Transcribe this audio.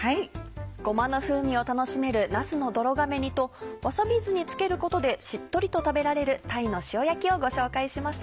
ごまの風味を楽しめるなすの泥亀煮とわさび酢に漬けることでしっとりと食べられる鯛の塩焼きをご紹介しました。